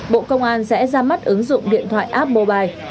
bộ công an sẽ ra mắt ứng dụng điện thoại app mobile